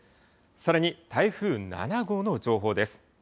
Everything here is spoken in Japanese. さらに台風７号の情報です。